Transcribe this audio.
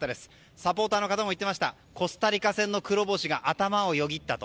サポーターの方も言っていましたコスタリカ戦の黒星が頭をよぎったと。